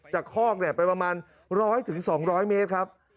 จากคอกเนี่ยไปประมาณ๑๐๐๒๐๐เมตรครับ